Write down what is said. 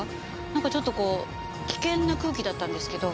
なんかちょっとこう危険な空気だったんですけど。